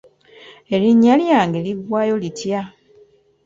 Erinnya lyange liggwayo litya?